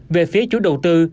về phía chủ đầu tư